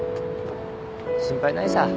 心配ないさ。